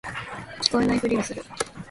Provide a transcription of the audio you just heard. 聞こえないふりをする